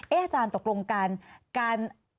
เอ๊ะอาจารย์ตกลงการการ